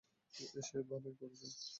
এসে ভালোই করেছো।